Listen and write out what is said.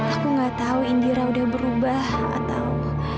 aku gak tahu indira udah berubah atau